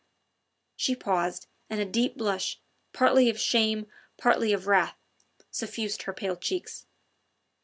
She paused, and a deep blush, partly of shame, partly of wrath, suffused her pale cheeks.